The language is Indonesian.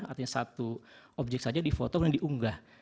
artinya satu objek saja di foto kemudian diunggah